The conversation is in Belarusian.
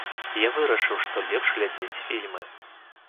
Я вырашыў, што лепш глядзець фільмы.